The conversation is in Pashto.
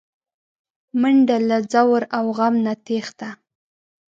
منډه له ځور او غم نه تښته